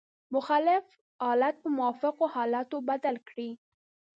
مخالف حالات په موافقو حالاتو بدل کړئ.